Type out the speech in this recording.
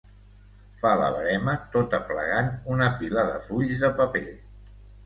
Fa la verema tot aplegant una pila de fulls de paper.